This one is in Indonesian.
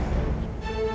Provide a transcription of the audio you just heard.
aku mau ke sana